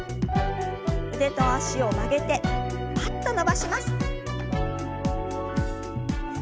腕と脚を曲げてパッと伸ばします。